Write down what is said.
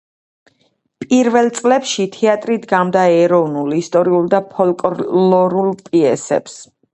პირველ წლებში თეატრი დგამდა ეროვნულ, ისტორიულ და ფოლკლორულ პიესებს.